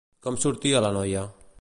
Com sortia la noia?